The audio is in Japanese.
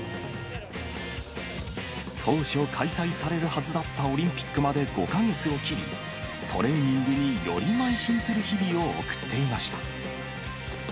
当初、開催されるはずだったオリンピックまで５か月を切り、トレーニングによりまい進する日々を送っていました。